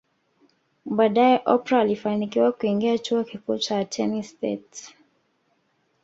Baadae Oprah alifanikiwa kuingia chuo kikuu cha Tenesse State